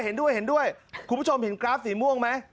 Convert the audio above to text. เห็นด้วยคุณผู้ชมเห็นกราฟสีม่วงไหม